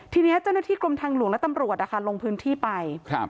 ทีเนี่ยเจ้าหน้าที่กลมทางหลวงและตำรวจลงพื้นที่ไป